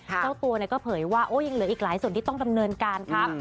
เจ้าตัวก็เผยว่ายังเหลืออีกหลายส่วนที่ต้องดำเนินการครับ